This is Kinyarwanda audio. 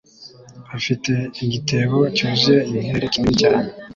Afite igitebo cyuzuye inkeri kinini cyane